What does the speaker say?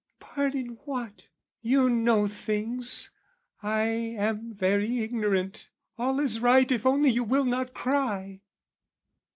"Pardon what? "You know things, I am very ignorant: "All is right if you only will not cry!"